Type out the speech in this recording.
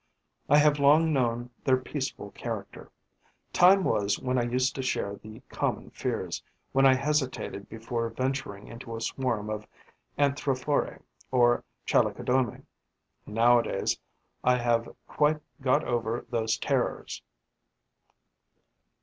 I have long known their peaceful character. Time was when I used to share the common fears, when I hesitated before venturing into a swarm of Anthophorae or Chalicodomae; nowadays, I have quite got over those terrors.